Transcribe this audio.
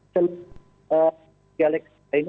kalau kita lihat